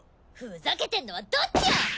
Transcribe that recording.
ふざけてんのはどっちよ！